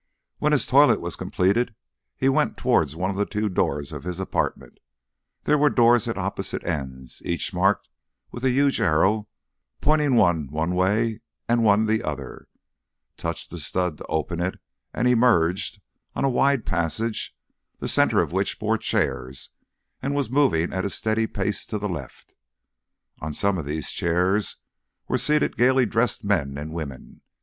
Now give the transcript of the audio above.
When his toilet was completed he went towards one of the two doors of his apartment there were doors at opposite ends, each marked with a huge arrow pointing one one way and one the other touched a stud to open it, and emerged on a wide passage, the centre of which bore chairs and was moving at a steady pace to the left. On some of these chairs were seated gaily dressed men and women.